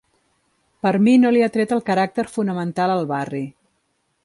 Per mi no li ha tret el caràcter fonamental al barri.